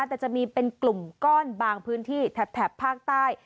แต่จะมีเป็นกลุ่มก้อนบางพื้นที่แถบภาคใต้